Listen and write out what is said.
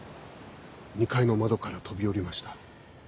２階の窓から飛び降りました。